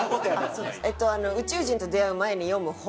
『宇宙人と出会う前に読む本』という。